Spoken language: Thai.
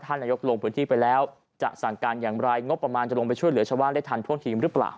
ท่านณยกลงพื้นที่ไปแล้วจะสารการอย่างไร